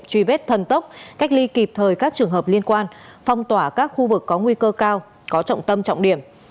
truy vết thần tốc cách ly kịp thời các trường hợp liên quan phong tỏa các khu vực có nguy cơ cao có trọng tâm trọng điểm